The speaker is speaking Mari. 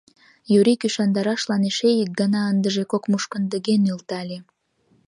Юрик ӱшандарашлан эше ик гана, ындыже кок мушкындыге, нӧлтале.